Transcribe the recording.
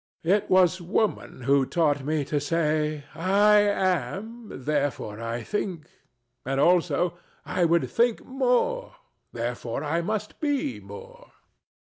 It was Woman who taught me to say "I am; therefore I think." And also "I would think more; therefore I must be more." THE STATUE.